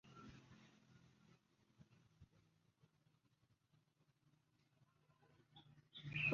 Operesheni Shujaa iliongezwa siku ya Jumatano licha ya tangazo la awali